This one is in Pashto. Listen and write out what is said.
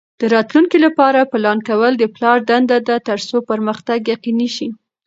د راتلونکي لپاره پلان کول د پلار دنده ده ترڅو پرمختګ یقیني شي.